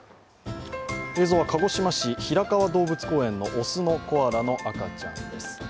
映像は鹿児島市、平川動物公園の雄のコアラの赤ちゃんです。